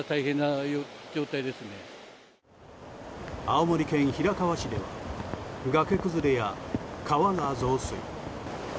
青森県平川市では崖崩れや川が増水。